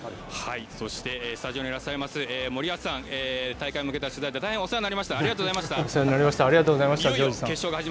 そして、スタジオにいらっしゃいます森保さん大会に向けてお世話になりました。